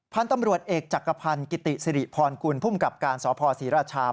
พันธุ์ตำรวจเอกจักรพันธ์กิติสิริพรกุลภูมิกับการสพศรีราชา